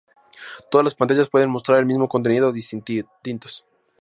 Todas las pantallas pueden mostrar el mismo contenido o distintos.